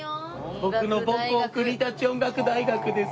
僕の母校国立音楽大学です。